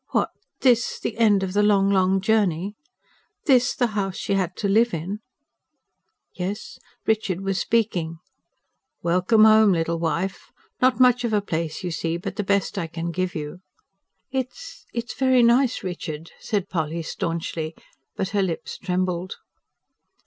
What! this the end of the long, long journey! This the house she had to live in? Yes, Richard was speaking. "Welcome home, little wife! Not much of a place, you see, but the best I can give you." "It's ... it's very nice, Richard," said Polly staunchly; but her lips trembled.